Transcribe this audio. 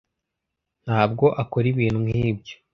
Ntabwo akora ibintu nkibyo.